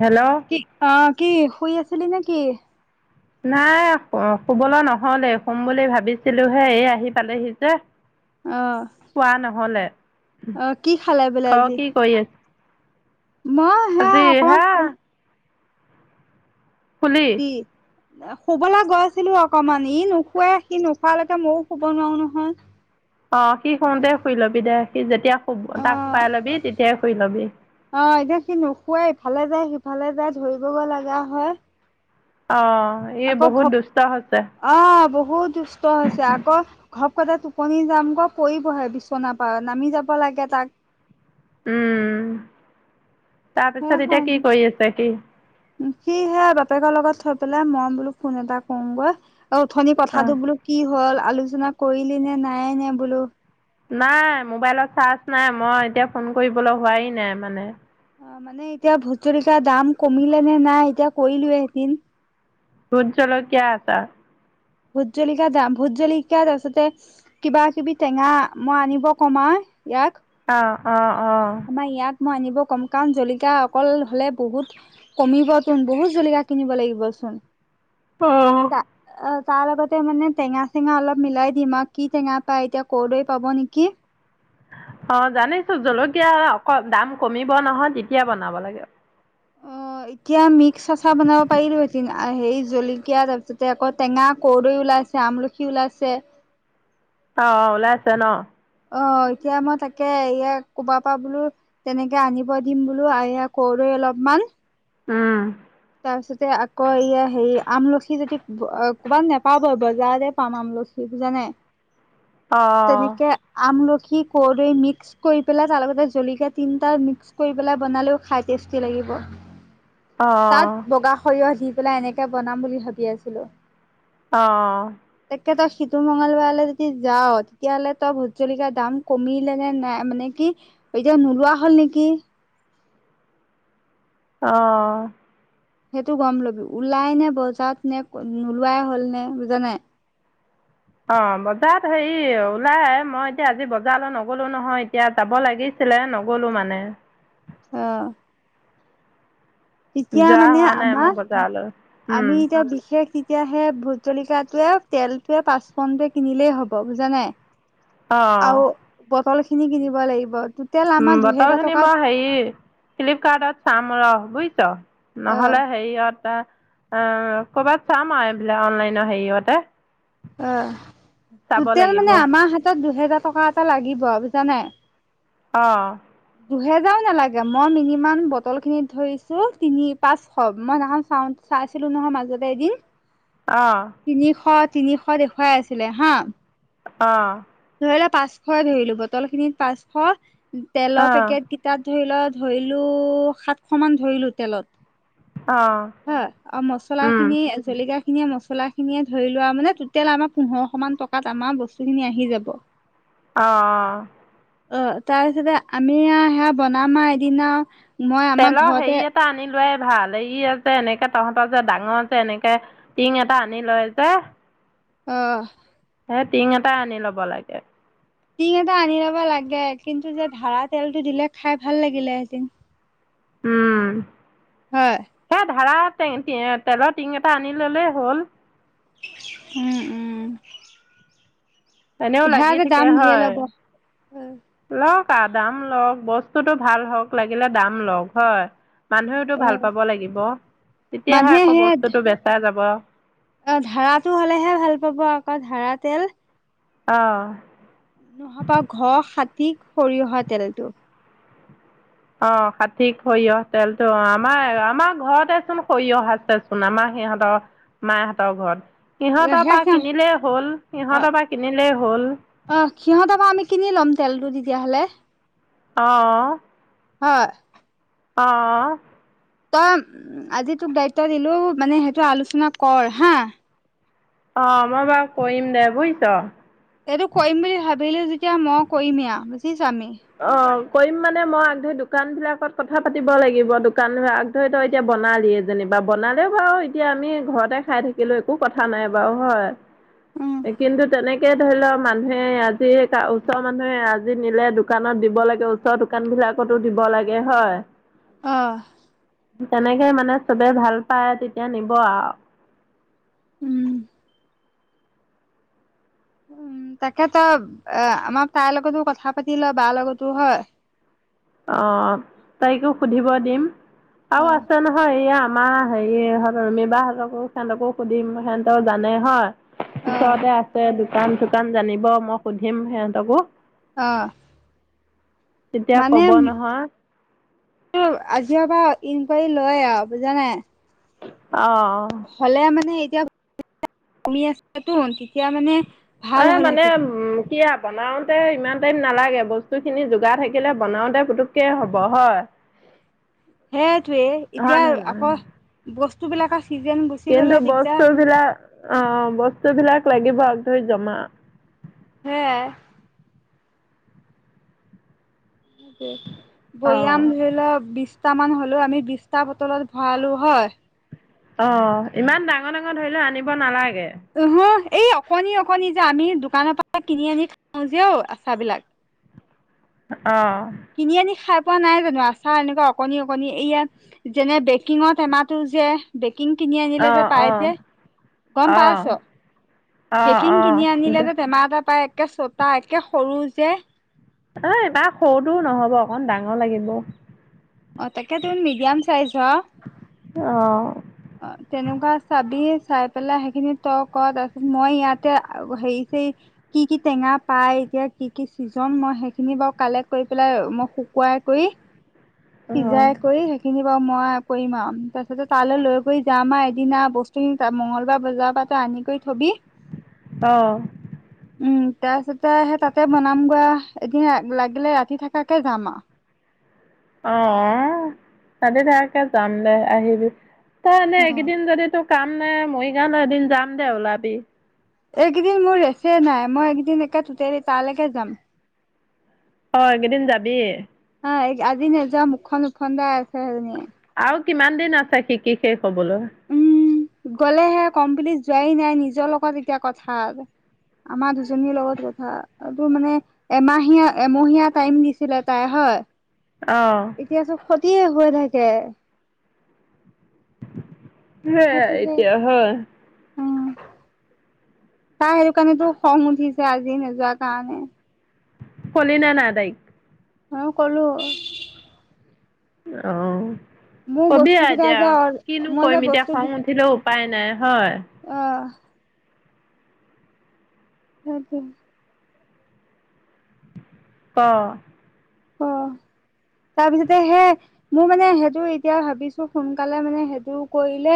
Hello কি অ' কি শুই আছিলি নে কি? নাই আখ শুবলৈ নহ'লে শুম বুলি ভাবিছিলোহে এই আহি পালেহি যে। অ শুৱা নহ'লে অ কি খালে বোলে ক' আজি কি কৰি আ মই সেয়া অকমান হা শুম। শুলি? কি? শুবলে গৈছিলোঁ অকমান ই নুশুৱে সি নুশুৱালৈকে মইও শুব নোৱাৰো নহয়। অ' সি শুওঁতে শুই লবি দে সি যেতিয়া শুব তাক চাই লবি তেতিয়া শুই লবি। অ'এতিয়া সি নুশুৱে ইফালে যায়, সিফালে যায়, ধৰিবগৈ লাগা হয়। অ'ই বহুত দুষ্ট হৈছে। অ'বহুত দুষ্ট হৈছে আকৌ ঘপকতে টোপনি যামগৈ পৰিবহে বিচনা পা নামি যাব লাগে তাক উম, তাৰপিছত এতিয়া তাক কি কৰি আছে সি? সি সেই বাপেকৰ লগত থৈ পেলাই মই বোলো ফোন এটা কৰোঁগৈ। অ' উথনি অঁ কথাটো বোলো কি হ'ল আলোচনা কৰিলি নে নায়ে নে বোলো? নাই মোবাইলত চাৰ্জ নাই মই এতিয়া ফোন কৰিবলৈ হোৱাই নাই মানে। অ মানে এতিয়া ভোট জলকীয়া দাম কমিলে নে নাই এতিয়া কৰিলোয়ে এদিন। ভোট জলকীয়া আচাৰ। ভোট জলকীয়া দাম ভোট জলকীয়াত আচলতে কিবা কিবি টেঙা মই আনিব কম আও ইয়াক। অ, অ, অ। আমাৰ ইয়াক মই আনিব কম কাৰণ জলকীয়া অকল হ'লে বহুত কমিবচোন বহুত জলকীয়া কিনিব লাগিবচোন অঁ তা অ তাৰ লগতে মানে টেঙা চেঙা অলপ মিলাই দিম আৰু, কি টেঙা পায় এতিয়া কৰদৈ পাব নেকি। অ জানিছো জলকীয়া অকন দাম কমিব নহয় তেতিয়া বনাব লাগে। অ', [inaudible] এতিয়া মিক্স আচাৰ বনাব পাৰিলো হেঁতেন এ সেই জলকীয়া তাৰপিছতে আকৌ টেঙা কৰৰ্দৈ ওলাইছে আম লখি ওলাইছে। অ অ ওলাই আছে ন? অ এতিয়া মই তাকে ইয়াক ক'বাৰপৰা বোলো তেনেকে আনিব দিম বোলো এয়া কৰদৈ অলপমান উম তাৰপিছতে আকৌ এয়া হেৰি আমলখি যদি ক'ৰবাত নেপাবই বজাৰতহে পাম আমলখি বুজিছা নে [inaudible] তেনেকে আমলখি কৰদৈ মিক্স কৰি পেলাই তাৰ লগতে জলকীয়া তিনিটা মিক্স কৰি পেলাই বনালেও খাই টেচতি লাগিব অ তাত বগা সৰিয়হ দি পেলাই এনেকে বনাম বুলি ভাবি আছিলো। অঁ। তেতিয়া তই সিটো মঙলবাৰলৈ যদি যাও তেতিয়াহ'লে তই ভোট জলকীয়া দাম কমিলে নে নাই মানে কি এতিয়া নোলোৱা হ'ল নেকি অঁ সেইটো গম ল'বি ওলাই নে বজাৰত নে নোলোৱাই হ'ল নে বুজা নাই? অঁ বজাৰত হেৰি ওলাই মই এতিয়া আজি বজাৰলৈ নগলো নহয় এতিয়া যাব লাগিছিলে নগলো মানে। অহ তেতিয়া যোৱা মানে হোৱা নাই মই আমাৰ বজাৰলৈ উম আমি এতিয়া বিশেষ এতিয়া সেই ভোট জলকীয়া টোৱে তেলটোৱে পাঁচপূৰনটোৱে কিনিলেই হ'ব বুজা নাই অ আৰু বটল খিনি কিনিব লাগিব। টোটেল আমাৰ উম বটল দুহেজাৰ খিনি টকাত মই হেৰি ফ্লিপকাৰ্টত চাম ৰহ বুজিছ অ নহলে হেৰিয়ত অ কৰ'ৰবাত চাম আৰু এইবিলাক অনলাইনৰ হেৰিয়তে অ চাব তোটেল লাগিব মানে আমাৰ হাতত দুহেজাৰ টকা এটা লাগিব বুজা নাই অঁ দুহেজাৰো নালাগে মই মিনিমাম বটল খিনিত ধৰিছো তিনি পাঁচশ মই সেই দিনা চাওঁতে চাইছিলো নহয় মাজতে এদিন অঁ। তিনিশ তিনিশ দেখুৱাই আছিলে হা অঁ। ধৰিলোৱা পাঁচশয় ধৰিলো বটল খিনিত পাঁচশ তেলৰ অঁ পেকেট কেইটাক ধৰি লোৱা ধৰিলো সাতশ মান ধৰিলো তেলত অঁ হ আৰু উম মচলাখিনি আজ জলকীয়াখিনিয়ে, মচলাখিনিয়ে ধৰি লোৱা মানে টোটেল আমাৰ পোন্ধৰশ মান টকাত আমাৰ বস তোখিনি আহি যাব। অঁ। অ তাৰপিছতে আমি আ সেয়া বনাম আৰু এদিনা মই আমাৰ তেলৰ ঘৰতে হেৰি এটা আনি লোৱাই ভাল এই যে এনেকে তহঁতৰ যে ডাঙৰ যে এনেকে টিঙ এটা আনি লয় যে অঁ। হে টিং এটাই আনি ল'ব লাগে। টিং এটা আনি ল'ব লাগে কিন্তু যে ধাৰ়া তেলটো দিলে খাই ভাল লাগিলেহেঁতেন। উম। হয় সেই ধাৰা তে টি তেলৰ টিং এটা আনি ল'লেই হ'ল। উম উ এনেও সেয়া লাগি যে থাকে দাম ধেৰ হয়। ল'ব লওক আৰু দাম লওক, বস্তুটো ভাল হওঁক লাগিলে দাম লওক হয়। মানুহেওতো এ ভাল পাব লাগিব তেতিয়াহে মানুহে আকৌ সেই বস্তুটো বেচাই যাব। অ ধাৰাটো হলেহে ভাল পাব আকৌ ধাৰা তেল। অঁ। নহবা ঘৰ সাঠিক সৰিয়হৰ তেলটো। অ সাঠিক সৰিয়হ তেলটো অ আমাৰ আমাৰ ঘৰতেচোন সৰিয়হ আছেচোন আমাৰ সিহঁতৰ মাহঁতৰ ঘৰত, সিহঁতৰ সেয়া পৰা সিহ কিনিলেই হ'ল সিহঁতৰ পৰা কিনিলেই হ'ল। অহ সিহঁতৰ পৰা আমি কিনি ল'ম তেলটো তেতিয়াহ'লে। অঁ। হয়। অঁ। তই উম আজি তোক দায়িত্ব দিলো মানে সেইটো আলোচনা কৰ হা। অ মই বাৰু কৰিম দে বুজিছ? এইটো কৰিম বুলি ভাবিলো যেতিয়া মই কৰিমিয়া বুজি চামি? অ কৰিম মানে মই আগ ধৰি দোকানবিলাকত কথা পাতিব লাগিব দোকান বা আগ তো তই এতিয়া বনালিয়ে যেনিবা, বনালেও বাৰু এতিয়া আমি ঘৰতে খাই থাকিলো একো কথা নাই বাৰু হয়। এ কিন্তু তেনেকে ধৰি লওক মানুহে আজি কা ওচৰৰ মানুহে আজি নিলে দু কানত দিব লাগে ওচৰ দোকানবিলাকত দিব লাগে হয়। অঁ। তেনেকে মানে চবে ভাল পায় তেতিয়া নিব আৰু। উম। উম তাকেতো, এ আমাক তাইৰ লগতো কথা পাতি ল, বাৰ লগতো হয়। অঁ, তাইকো সুধিব দিম অ আৰু আছে নহয় এয়া আমাৰ হেৰিহত ৰোমি বা সিহঁতকো সিহঁতকো সুধিম সিহঁতক জানে হয়। অ পিছৰতে আছে দোকান - চোকান জানিব মই সুধিম সিহঁতকো। অ। তেতিয়া মানে ক'ব [unintelligible] নহয় আজিৰ পৰা ইনকুৱাৰী লয় আৰু বুজা নাই। অ অ। হলে মানে এতিয়া কমি আছে তো তেতিয়া মানে ভাল এই মানে হ'লহেঁতেন উম সেয়া বনাওঁতে ইমান টাইম নালাগে বস্তুখিনি যোগাৰ থাকিলে বনাওঁতে পুটুককৈ হ'ব হয়। [unintelligible] সেইটোৱে হয় এতিয়া নহয় নহয়। আকৌ বস্তুবিলাকৰ চিজন গুচি কিন্তু গলে দিগদাৰ বস্তু হ'ল। বিলাক অ বস্তু বিলাক লাগিব ধৰি জমা হে। অ। বৈয়াম ধৰিলা বি পাঁচটামান হ'লেও আমি বিশটা বটলত ভৰালোঁ হয়। অ' ইমান ডাঙৰ ডাঙৰ ধৰি লও আনিব নালাগে। অহ এই অকণনি অকণনি যে আমি দোকানৰ পৰা কিনি আনি খাওঁ যেঔ আচাৰ বিলাক অ', কিনি আনি খাই পোৱা নাই জানো আচাৰ এনেকুৱা অকণি অকণি এইয়া যেনে বেকিঙত টেমাহটো যে বেকিং কিনি আনিলে অ যে অ পাই যে গম অ পাই অ বেকিন অ। কিনি আনিলে যে টেমা এটা পায় একে চতা একে সৰু যে অ বাক সৰুটোও নহব অকন ডাঙৰ লাগিব। অ', তাকেতোন মিডিয়াম চাইজ হ অ' অ, তেনেকুৱা চাবি চাই পেলাই সেইখিনি তই ক' তাৰপিছত মই ইয়াতে আ, হেৰি চেৰী কি কি টেঙা পাই এতিয়া কি কি চিজন মই সেইখিনি বাৰু কালেক্ট কৰি পেলাই মই শুকুৱাই কৰি [inaudible] সিজাই কৰি সেইখিনি বাৰু মই কৰিম আৰু তাৰপিছতে তালৈ লৈ গৈ যাম আৰু এদিনা বস্তু খিনি তই মঙলবাৰ বজাৰৰ পা তই আনি কই থবি। অ', উম, তাৰ পিছতে সেই তাতে বনাম গোৱা এদিন লাগিলে ৰাতি থাকাকে যাম [unintelligible] অ', অহ, তাতে থাকাকে যাম দে, আহিবি। তা, মানে অ এইকেইদিন যদি তোক কাম নাই মৰিগাঁও লৈ এদিন যাম দে ওলাবি। এইকেইদিন মোৰ ৰেছে নাই মই একিদিন একে টোতেৰি তালেকে যাম। হয়, এইকেইদিন যাবি এ। হাই আজি নেযাওঁ মুখখন ওফন্দাই আছে সেইজনীয়ে। আৰু কিমান দিন আছে শিকি শেক হ'বলৈ? উম গ'লেহে কোম্পেনীত যোৱাই নাই নিজৰ লগত এতিয়া কথা। আমাৰ দুজনীৰ লগত কথা আ, টো মানে এমাহীয়া এমহীয়া টাইম দিছিলে তাই হয়। অ' তিয়া চব সতিয়ে হৈ থাকে। হা, সেইটোহে এতিয়া হয়। উম, তাৰ কাণেতো খং উঠিছে আজি নেযোৱা কাৰণে। ফলি নে নাই তাইক? অ', কলো। অ', মোৰ কবি বস্তু আৰু কেইটা এতিয়া যে আৰু কিনো মই যে কৰিম এতিয়া খং উঠিলেও উপাই নাই হয়। অহ। [unintelligible] ত। অ [inaudible] তাৰপিছতে সে মোৰ মানে সেইটো এতিয়া ভাবিছোঁ সোনকালে মানে সেইটো কৰিলে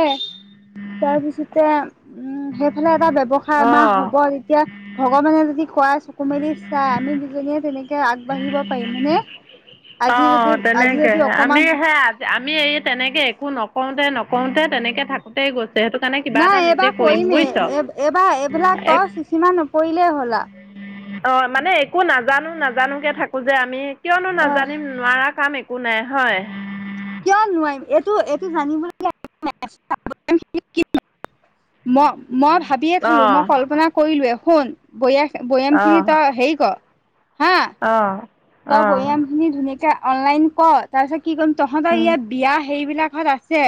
তাৰপিছতে উম, সেইফালে এটা ব্যৱসায় আমাৰ অ', হ'ব তেতিয়া ভগৱানে যদি খোৱাই, চকু মেলি চাই, আমি দুজনীয়ে তেনেকে আগবাঢ়িব পাৰিম হয়নে। আজি যদি অহ, আজি যদি তেনেকেহে আমি অকমান হে আগ আমি এই তেনেকে একো নকোৰতে-নকোৰতে তেনেকে থাক থাকোতেই গৈছে, সেইটো কাৰণে নাই এইবাৰ কৰিমেই বুজিছ। এব-এইবাৰ এইবিলাক তই সিচিমা নপৰিলেই হ'ল আহ। অহ। মানে একো নাজানোঁ নাজানোঁ কে থাকো যে আমি, কিয়নো অ' নাজানিম নোৱাৰা কাম একো নাই হয়। কিয় নোৱাৰিম এইটো-এইটো জানিবলগীয়া একো নাই। [unintelligible] ম-মই ভাবিয়েই থলো অঁ মই কল্পনা কৰিলোৱেই শুন। বৈয়া-বৈয়ামখিনি তই হেৰি কৰ। হা! অহ। তই বৈয়ামখিনি ধুনীয়াকে অনলাইন কৰ, তাৰপিছত কি কৰিম তহঁতৰ ইয়াত বিয়া সেইবিলাকত আছ যে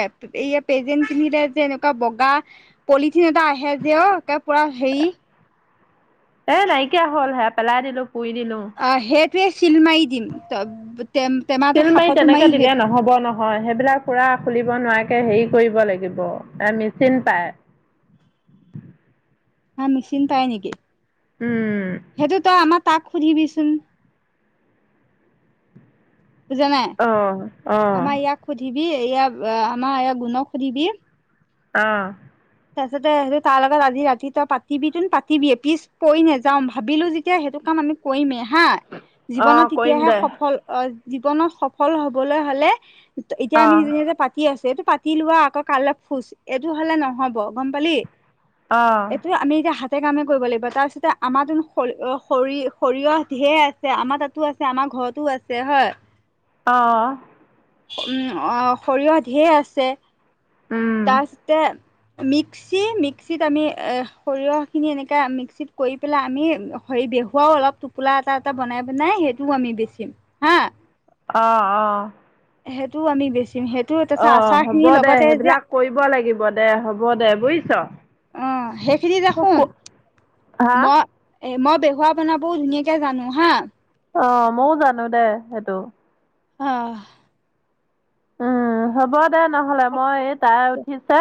এয়ে পেজেন কিনিলে যে এনেকুৱা বগাহ পলিথিন এটা আহে যে অহ, কে পুৰা হেৰি। এ, নাইকিয়া হ'ল সেয়া পেলাই দিলোঁ পুৰি দিলোঁ। অহ, সেইটোৱে চিল মাৰি দিম। [unintelligible] চিল মাৰি সাফৰটো তেনেকে দিলে সেই নহ'ব নহয়। হয়, সেইবিলাক পুৰা খুলিব নোৱাৰাকে হেৰি কৰিব লাগিব এ মেচিন পায়। [unintelligible] হা, মিচিন পাই নেকি? উম সেইটো তই আমাক তাক সুধিবিচোন। বুজা নাই। অঁ অঁ আমাৰ ইয়াক সুধিবি ইয়াক আমাৰ ইয়াক গুণক সুধিবি। অহ। তাৰপিছতে সেইটো তাৰ লগত আজি ৰাতি তই পাতিবিতোন পাতিবিয়েই। পিছ পৰি নাযাওঁ ভাবিলোঁ যেতিয়া সেইটো কাম আমি কৰিমে হা। অঁ জীৱনত কৰিম তেতিয়াহে দে সফল অহ, জীৱনত সফল হবলৈ হ'লে, এতিয়া আমি অঁ নিজে-নিজে পাতি কি আছে এইটো পাতি লোৱা আকৌ কাইলে ফোজ এইটো হ'লে নহ'ব গম পালি। অঁ এইটো আমি এতিয়া হাত হাতে কামেই কৰিব লাগিব তাৰপিছতে আমাৰতোনো সৰ-সৰি-সৰিয়হ ধেৰ আছে আমাৰ তাতে তাতো আছে, আমাৰ ঘৰতো আছে হয়। অহ। উম', অহ' সৰিয়হ ধেৰ আছে, উম তাৰপিছতে মিক্স মিক্সি-মিক্সিত আমি সৰিয়হখিনি এনেকে মিক্সিত কৰি পেলাই আমি হেৰি দেখোৱাও অলপ টোপোলা এটা এটা বনাই বনাই সেইটোও আমি বেচিম হা। অহ', অহ'। সেইটোও আমি বেচিম। সেইটোও তাৰপিছত অ' হ'ব আচাৰখিনিৰ দে লগতে সেইবিলাক যে কৰিব লাগিব দে, হ'ব দে বুজিছ। অহ, সেইখিনি দেখোন হা মই এ, মই বেহুৱা বনাবও ধুনীয়াকে জানোঁ হা। অহ, মইও জানোঁ দে সেইটো। অহ। উম, হ'ব দে নহ'লে মই এই তাই উঠিছে চা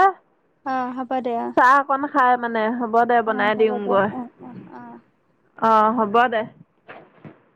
অ হ'ব দে অ চাহ অকন খায় মানে হ'ব দে অ বনাই হ'ব দিওঁ দে গৈ। অ অ অ অহ, হ'ব দে।